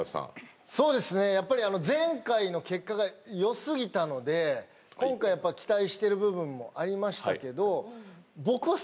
やっぱり前回の結果が良過ぎたので今回やっぱ期待してる部分もありましたけど。